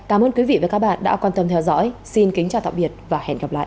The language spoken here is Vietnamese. cảm ơn quý vị và các bạn đã quan tâm theo dõi xin kính chào tạm biệt và hẹn gặp lại